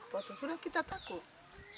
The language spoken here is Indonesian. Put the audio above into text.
potong sudah kita takut